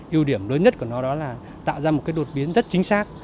ưu điểm lớn nhất của nó là tạo ra một đột biến rất chính xác